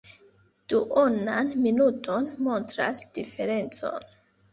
Duonan minuton montras diferencon.